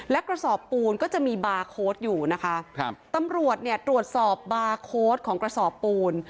และกระสอบปูนก็จะมีบาร์โค้ดอยู่นะคะครับตำรวจเนี่ยตรวจสอบบาร์โค้ดของกระสอบปูน